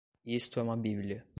Isto é uma bíblia.